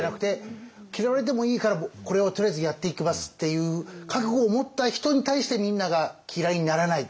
嫌われてもいいからこれをとりあえずやっていきますっていう覚悟を持った人に対してみんなが嫌いにならない。